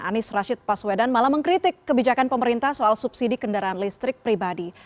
anies rashid baswedan malah mengkritik kebijakan pemerintah soal subsidi kendaraan listrik pribadi